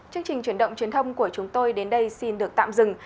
chương trình chuyển động truyền thông của chúng tôi đến đây xin được tạm dừng